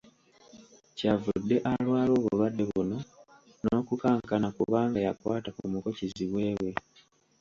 "Kyavudde alwala obulwadde buno, n’okukankana kubanga yakwata ku muko kizibwe we."